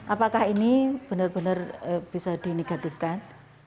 apakah ini benar benar bisa dinegatifkan